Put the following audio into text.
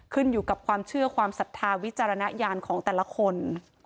ขึ้นอยู่กับความเชื่อความศรัทธาวิจารณญาณของแต่ละคน